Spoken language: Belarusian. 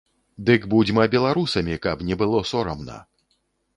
Дык будзьма беларусамі, каб не было сорамна!